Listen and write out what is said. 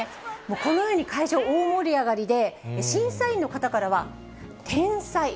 このように会場、大盛り上がりで、審査員の方からは、天才！